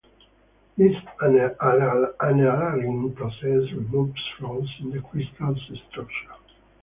This annealing process removes flaws in the crystal structure.